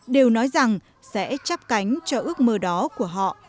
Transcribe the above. đều nói rằng sẽ chấp cánh cho ước mơ đó của họ